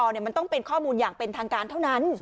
มันต้องเป็นข้อมูลอย่างเป็นทางการเท่านั้น